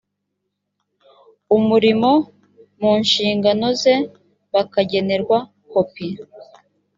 umurimo mu nshingano ze bakagenerwa kopi